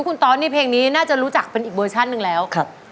ของคุณตอธนิเยี่ยมที่เพลงนี้น่าจะรู้จักเป็นอีกเวอร์ชั่นนึงแล้ว